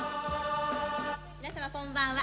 皆様、こんばんは。